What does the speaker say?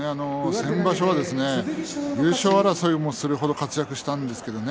先場所は優勝争いする程活躍したんですけれどもね。